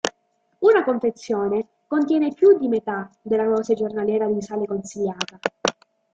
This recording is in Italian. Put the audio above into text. Una confezione contiene più di metà della dose giornaliera di sale consigliata.